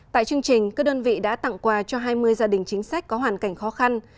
tại chương trình các đơn vị đã tặng quà cho hai mươi gia đình chính sách có hoàn cảnh khó khăn